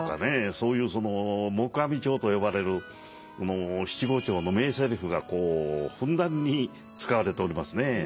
そういう黙阿弥調と呼ばれる七五調の名台詞がこうふんだんに使われておりますね。